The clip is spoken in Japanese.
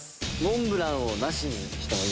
モンブランをなしにしても。